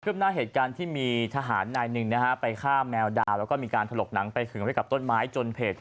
หน้าเหตุการณ์ที่มีทหารนายหนึ่งนะฮะไปฆ่าแมวดาวแล้วก็มีการถลกหนังไปขึงไว้กับต้นไม้จนเพจ